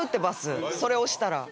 それ押したら。